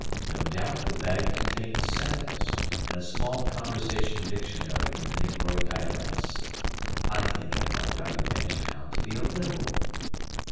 No doubt the bag contains samples and a small conversation dictionary in the negroid dialects. (I think F. R. W. may turn out to be a Liberal.)